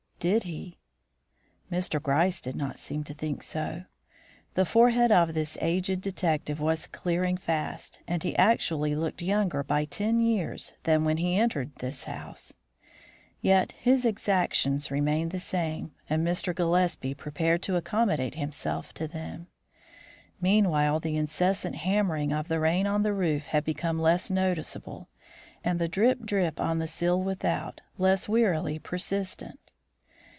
Did he? Mr. Gryce did not seem to think so. The forehead of this aged detective was clearing fast, and he actually looked younger by ten years than when he entered this house. Yet his exactions remained the same, and Mr. Gillespie prepared to accommodate himself to them. Meanwhile the incessant hammering of the rain on the roof had become less noticeable, and the drip, drip, on the sill without, less wearily persistent.